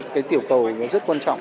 cái tiểu cầu nó rất quan trọng